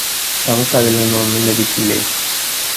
നമുക്ക് അതിൽ നിന്നും ഒന്നും ലഭിക്കില്ലേ